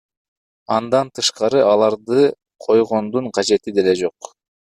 Андан тышкары аларды койгондун кажети деле жок.